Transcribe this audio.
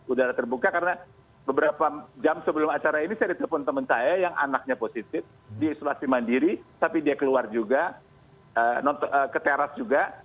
udara terbuka karena beberapa jam sebelum acara ini saya ditelepon teman saya yang anaknya positif di isolasi mandiri tapi dia keluar juga ke teras juga